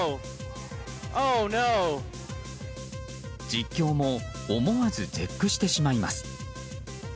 実況も思わず絶句してしまいます。